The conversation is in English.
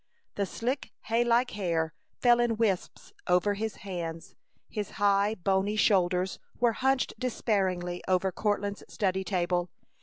The slick hay like hair fell in wisps over his hands, his high, bony shoulders were hunched despairingly over Courtland's study table.